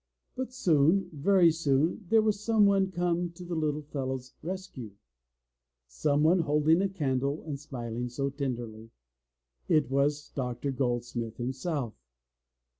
But soon, very soon, there was some one come to the little fellow's rescue, some one holding a candle and smiling so tenderly. It was Dr. Goldsmith himself.